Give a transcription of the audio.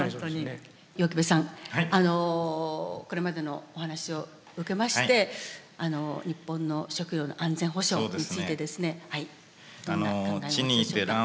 これまでのお話を受けまして日本の食料の安全保障についてですねどんな考えをお持ちでしょうか？